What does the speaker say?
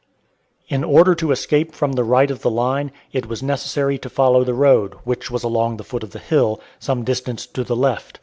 In order to escape from the right of the line, it was necessary to follow the road, which was along the foot of the hill, some distance to the left.